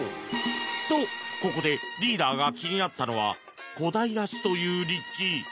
と、ここでリーダーが気になったのは小平市という立地。